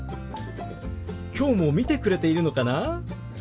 きょうも見てくれているのかな？